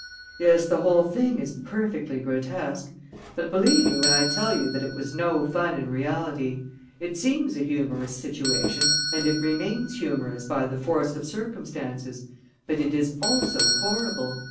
Yes, the whole thing is perfectly grotesque. But believe me when I tell you that it was no fun in reality. It seems a humorous situation and it remains humorous by the force of circumstances; but it is also horrible.